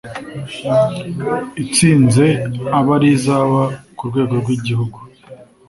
itsinze abe ariyo izajya ku rwego rw’igihugu